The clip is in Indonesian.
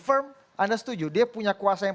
firm anda setuju dia punya kuasa yang